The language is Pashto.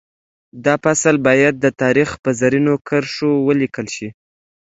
دا فصل باید د تاریخ په زرینو کرښو ولیکل شي